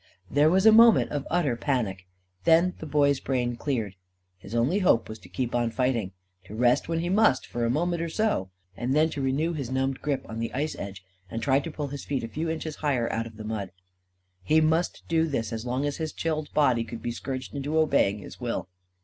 There was a moment of utter panic. Then the Boy's brain cleared. His only hope was to keep on fighting to rest when he must, for a moment or so, and then to renew his numbed grip on the ice edge and try to pull his feet a few inches higher out of the mud. He must do this as long as his chilled body could be scourged into obeying his will.